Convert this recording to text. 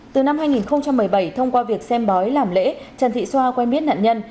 từ năm hai nghìn một mươi bảy thông qua việc xem bói làm lễ trần thị xoa quen biết nạn nhân